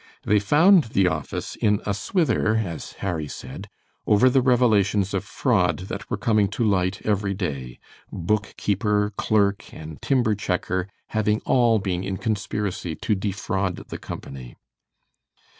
They found the office in a "swither," as Harry said, over the revelations of fraud that were coming to light every day book keeper, clerk, and timber checker having all been in conspiracy to defraud the company.